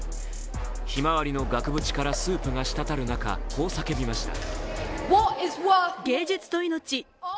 「ひまわり」の額縁からスープがしたたる中こう叫びました。